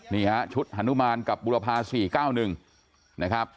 เนี่ยชุดฮานุมานกับบุรพาสี่เก้าหนึ่งนะครับ